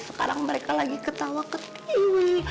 sekarang mereka lagi ketawa ketawi